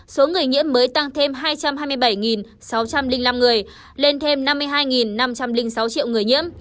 số người nhiễm mới tăng thêm hai trăm hai mươi bảy sáu trăm linh năm người lên thêm năm mươi hai năm trăm linh sáu triệu người nhiễm